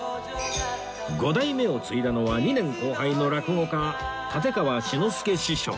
五代目を継いだのは２年後輩の落語家立川志の輔師匠